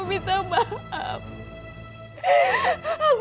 mama yang men kilometai pelukmu